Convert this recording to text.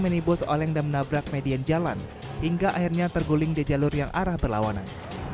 minibus oleng dan menabrak median jalan hingga akhirnya terguling di jalur yang arah berlawanan